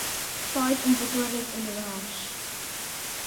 Daeth yn bedwerydd yn y ras.